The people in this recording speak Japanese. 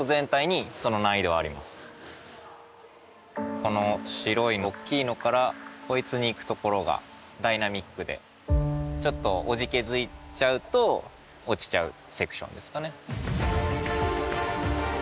この白い大きいのからこいつにいくところがダイナミックでちょっとおじけづいちゃうと落ちちゃうセクションですかね。